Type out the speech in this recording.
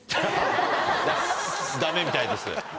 ダメみたいです。